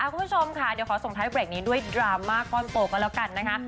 คุณผู้ชมค่ะเดี๋ยวขอส่งท้ายเบรกนี้ด้วยดราม่าก้อนโตก็แล้วกันนะคะ